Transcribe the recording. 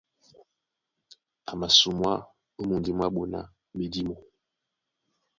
A masumwá ó mundi mwá ɓona ɓedímo.